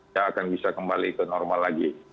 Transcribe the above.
dia akan bisa kembali ke normal lagi